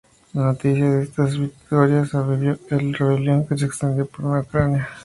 La noticia de estas victorias avivó al rebelión, que se extendió por toda Ucrania.